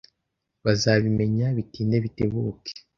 Bazabimenya bitinde bitebuke.